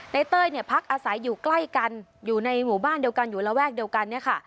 ในเต้ยพักอาศัยอยู่ใกล้กันอยู่ในหมู่บ้านเดียวกันอยู่ระแวกเดียวกัน